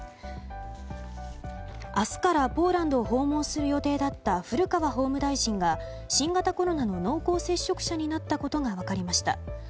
明日からポーランドを訪問する予定だった古川法務大臣が新型コロナの濃厚接触者になったことが分かりました。